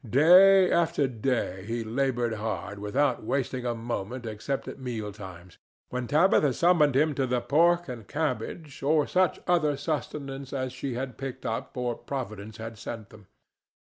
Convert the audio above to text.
Day after day he labored hard without wasting a moment except at meal times, when Tabitha summoned him to the pork and cabbage, or such other sustenance as she had picked up or Providence had sent them.